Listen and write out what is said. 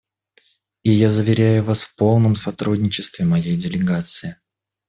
И я заверяю вас в полном сотрудничестве моей делегации.